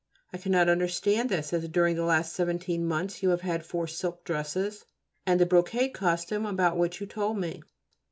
I cannot understand this, as during the last seventeen months you have had four silk dresses and the brocade costume about which you told me.